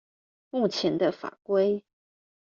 目前的法規